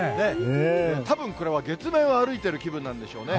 たぶんこれは月面を歩いてる気分なんでしょうね。